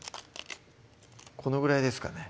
このぐらいですかね